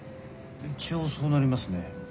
一応そうなりますね。